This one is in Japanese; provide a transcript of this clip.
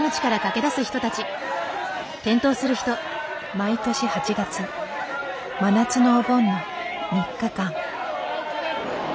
毎年８月真夏のお盆の３日間。